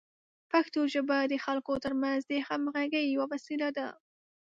پښتو ژبه د خلکو ترمنځ د همغږۍ یوه وسیله ده.